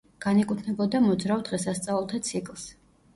განეკუთვნებოდა მოძრავ დღესასწაულთა ციკლს.